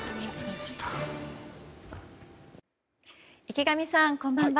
池上さん、こんばんは。